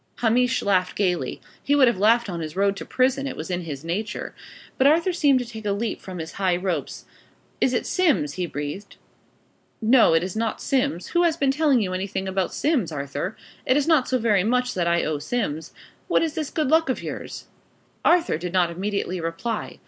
Hamish laughed gaily. He would have laughed on his road to prison: it was in his nature. But Arthur seemed to take a leap from his high ropes. "Is it Simms?" he breathed. "No, it is not Simms. Who has been telling you anything about Simms, Arthur? It is not so very much that I owe Simms. What is this good luck of yours?" Arthur did not immediately reply.